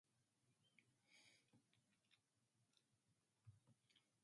He was a wrestler in high school and won the state championship.